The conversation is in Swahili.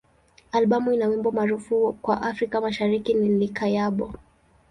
Albamu ina wimbo maarufu kwa Afrika Mashariki ni "Likayabo.